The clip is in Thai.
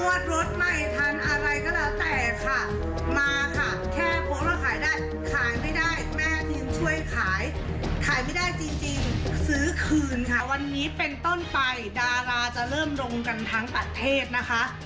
วันนี้เป็นต้นไปดาราจะเริ่มรงกันทั้งประเทศนะคะ